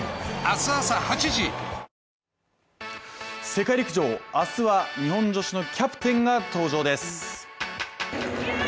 世界陸上、明日は日本女子のキャプテンが登場です。